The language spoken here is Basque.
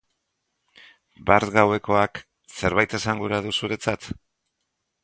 Bart gauekoak zerbait esan gura du zuretzat?